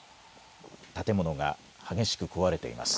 建物が激しく壊れています。